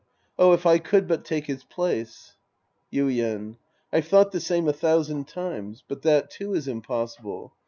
Oh, if I could but take his place ! Yuien. I've thought the same a thousand times. But that, too, is impossible.